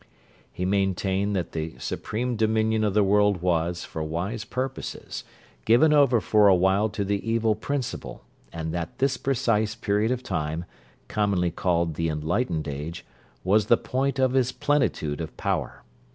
He maintained that the supreme dominion of the world was, for wise purposes, given over for a while to the Evil Principle; and that this precise period of time, commonly called the enlightened age, was the point of his plenitude of power.